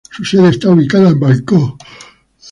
Su sede está ubicada en Bangkok.